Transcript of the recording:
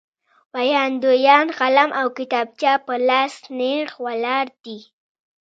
ویاندویان قلم او کتابچه په لاس نېغ ولاړ دي.